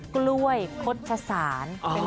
กล้วยคดผสาน